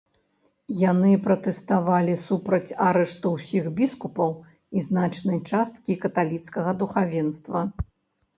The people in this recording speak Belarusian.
Яны пратэставалі супраць арышту ўсіх біскупаў і значнай часткі каталіцкага духавенства.